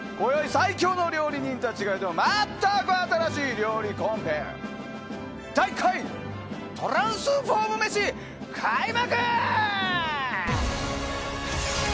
最強の料理人たちが挑む全く新しい料理コンペ第１回トランスフォーム飯開幕！